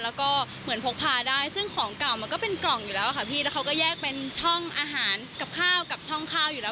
แล้วก็เหมือนพกพาได้ซึ่งของเก่ามันก็เป็นกล่องอยู่แล้วค่ะพี่แล้วเขาก็แยกเป็นช่องอาหารกับข้าวกับช่องข้าวอยู่แล้ว